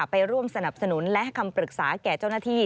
ไปร่วมสนับสนุนและให้คำปรึกษาแก่เจ้าหน้าที่